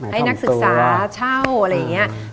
ให้นักศึกษาเช่าอะไรอย่างนี้